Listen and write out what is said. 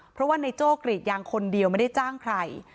เพราะว่าในโจ้กรีดยางคนเดียวไม่ได้จ้างใคร